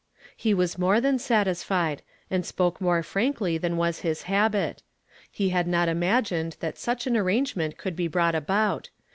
He was more than gratified, and spoke more frankly than was his habit. He had not ima gined that such an arrangement could be brought about.